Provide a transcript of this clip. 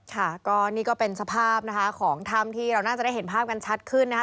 ค่ะก็นี่ก็เป็นสภาพนะคะของถ้ำที่เราน่าจะได้เห็นภาพกันชัดขึ้นนะคะ